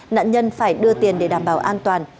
nạn nhân phải đưa tiền để đảm bảo an toàn